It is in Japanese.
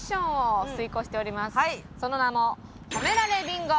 その名も。